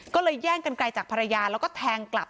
ก็เลยแย่งกันไกลจากภรรยาแล้วก็แทงกลับ